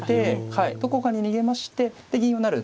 はいどこかに逃げましてで銀を成る。